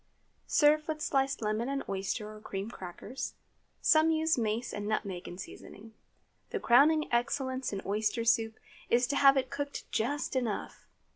Serve with sliced lemon and oyster or cream crackers. Some use mace and nutmeg in seasoning. The crowning excellence in oyster soup is to have it cooked just enough.